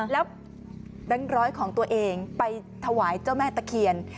แล้วแบงค์ร้อยของตัวเองไปถวายเจ้าแม่ตะเคียน